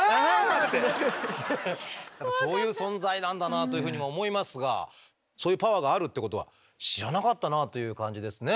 そういう存在なんだなあというふうにも思いますがそういうパワーがあるっていうことは知らなかったなあという感じですね。